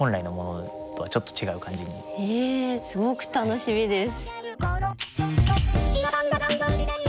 すごく楽しみです。